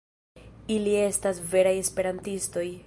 Ili estas veraj Esperantistoj!